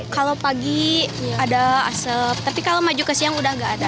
kalau pagi ada asap tapi kalau maju ke siang udah gak ada